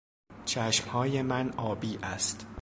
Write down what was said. چشمهای من آبی است.